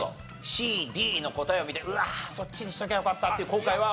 ＣＤの答えを見て「うわあそっちにしときゃよかった」っていう後悔は？